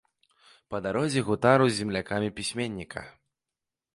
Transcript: Па дарозе гутару з землякамі пісьменніка.